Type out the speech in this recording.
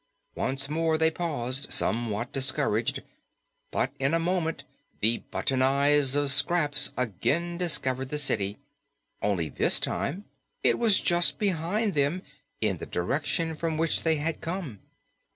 Once more they paused, somewhat discouraged, but in a moment the button eyes of Scraps again discovered the city, only this time it was just behind them in the direction from which they had come.